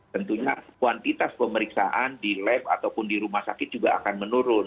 tentunya kuantitas pemeriksaan di lab ataupun di rumah sakit juga akan menurun